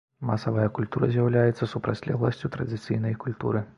Масавая культура з'яўляецца супрацьлегласцю традыцыйнай культуры.